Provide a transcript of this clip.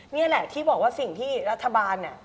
นี่แหละที่บอกว่าสิ่งที่รัฐบาลเนี่ย